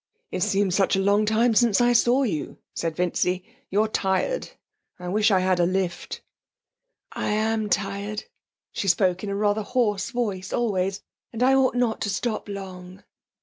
'It seems such a long time since I saw you,' said Vincy. 'You're tired; I wish I had a lift.' 'I am tired,' she spoke in rather a hoarse voice always. 'And I ought not to stop long.'